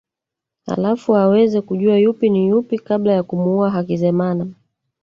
Halafu aweze kujua yupi ni yupi kabla ya kumuua Hakizemana